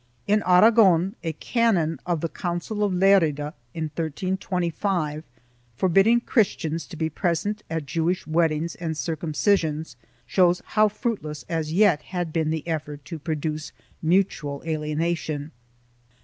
In Aragon a canon of the Council of Lerida, in 1325, forbidding Christians to be present at Jewish weddings and circumcisions, shows how fruitless as yet had been the effort to produce mutual alienation.